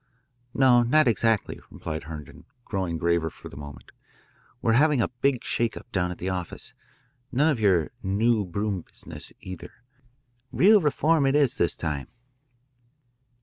"No, not exactly," replied Herndon, growing graver for the moment. "We're having a big shake up down at the office, none of your 'new broom' business, either. Real reform it is, this time."